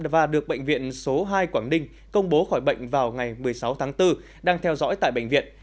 và được bệnh viện số hai quảng ninh công bố khỏi bệnh vào ngày một mươi sáu tháng bốn đang theo dõi tại bệnh viện